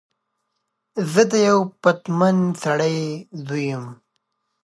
زه د یوه پتمن سړی زوی یم.